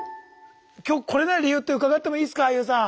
今日来れない理由って伺ってもいいすかＹＯＵさん。